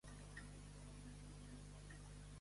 Les Martres-de-Veyre